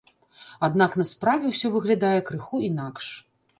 Аднак на справе ўсё выглядае крыху інакш.